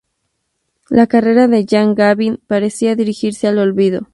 La carrera de Jean Gabin parecía dirigirse al olvido.